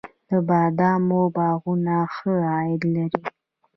د بادامو باغونه ښه عاید لري؟